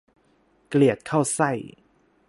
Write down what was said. เกลียดเข้าไส้